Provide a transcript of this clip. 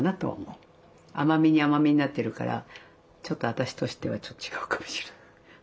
甘みに甘みになってるからちょっと私としてはちょっと違うかもしれない。